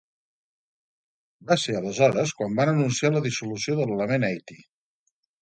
Va ser aleshores quan van anunciar la dissolució d'Element Eighty.